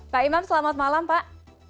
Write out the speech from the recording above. pak imam selamat malam pak